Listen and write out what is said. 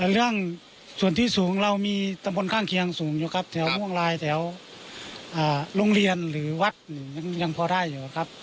เรื่องส่วนที่สูงเรามีตำบลข้างเคียงสูงอยู่ครับแถวม่วงลายแถวโรงเรียนหรือวัดหนึ่งยังพอได้อยู่ครับ